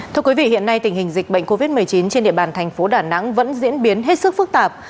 thưa quý vị hiện nay tình hình dịch bệnh covid một mươi chín trên địa bàn thành phố đà nẵng vẫn diễn biến hết sức phức tạp